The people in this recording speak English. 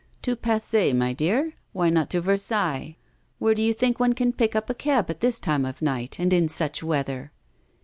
'To Passy, my dear? Why not to Versailles? Where do you think one can pick up a cab at this time of night, and in such weather?